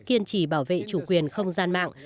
kiên trì bảo vệ chủ quyền không gian mạng